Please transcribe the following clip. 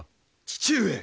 父上！